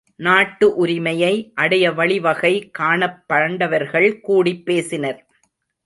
நாட்டு உரிமையை அடைய வழிவகை காணப் பாண்டவர்கள் கூடிப் பேசினர்.